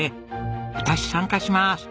「私参加します！」